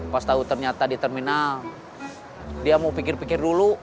pas tahu ternyata di terminal dia mau pikir pikir dulu